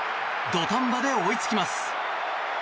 土壇場で追いつきます。